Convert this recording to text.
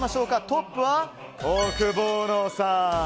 トップはオオクボーノさん。